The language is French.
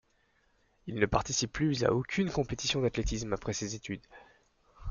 Il ne participe plus à aucune compétition d'athlétisme après ses études.